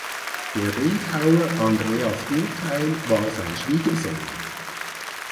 Der Bildhauer Andreas Urteil war sein Schwiegersohn.